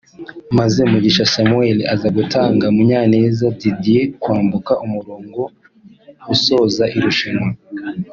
maze Mugisha Samuel aza gutanga Munyaneza Didier kwambuka umurongo usoza irushanwa